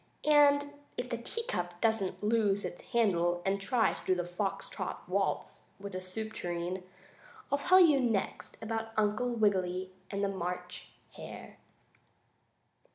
And if the teacup doesn't lose its handle and try to do a foxtrot waltz with the soup tureen, I'll tell you next about Uncle Wiggily and the March Hare.